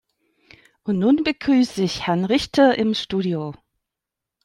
Und nun begrüße ich Herrn Richter im Studio.